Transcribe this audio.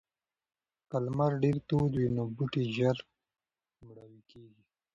که لمر ډیر تود وي نو بوټي ژر مړاوي کیږي.